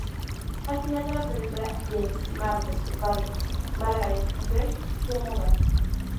Al final de la película, James, Marcus, su padre, Margaret y Grace se mudan.